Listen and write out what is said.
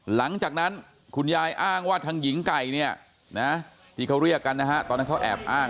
หลังจากนั้นคุณยายอ้างว่าทางหญิงไก่เนี่ยนะที่เขาเรียกกันนะฮะตอนนั้นเขาแอบอ้าง